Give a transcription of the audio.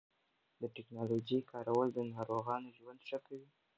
د ټېکنالوژۍ کارول د ناروغانو ژوند ښه کوي.